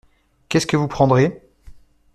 Qu’est-ce que vous prendrez ?